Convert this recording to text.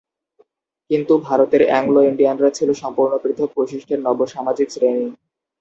কিন্তু ভারতের অ্যাংলো-ইন্ডিয়ানরা ছিল সম্পূর্ণ পৃথক বৈশিষ্ট্যের নব্য সামাজিক শ্রেণি।